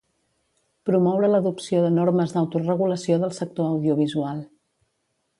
Promoure l'adopció de normes d'autoregulació del sector audiovisual.